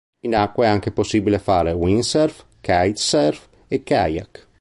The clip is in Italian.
In acqua è anche possibile fare windsurf, kitesurf, e kayak.